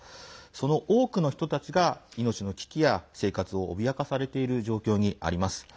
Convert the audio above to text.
その多くの人たちが、命の危機や生活を脅かされている状況にあります。